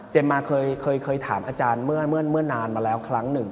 มาเคยถามอาจารย์เมื่อนานมาแล้วครั้งหนึ่ง